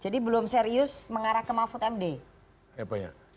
jadi belum serius mengarah ke mahfud md